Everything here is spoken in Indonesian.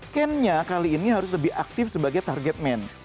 ken nya kali ini harus lebih aktif sebagai target men